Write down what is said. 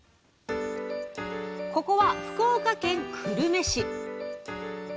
ここは福岡県久留米市